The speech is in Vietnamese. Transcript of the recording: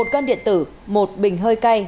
một cân điện tử một bình hơi cay